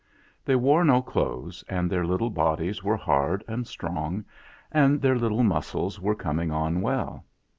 They wore no clothes, and their little bodies were hard and strong and their little muscles were coming on well.